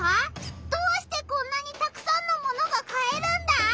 どうしてこんなにたくさんの物が買えるんだ？